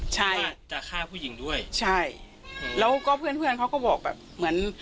ใช่จะฆ่าผู้หญิงด้วยใช่แล้วก็เพื่อนเพื่อนเขาก็บอกแบบเหมือน